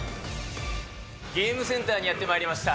ゲームセンターにやってまいりました。